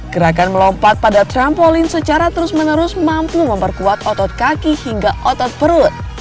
gerakan melompat pada trampolin secara terus menerus mampu memperkuat otot kaki hingga otot perut